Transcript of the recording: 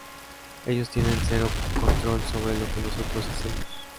Ellos tienen cero control sobre lo que nosotros hacemos".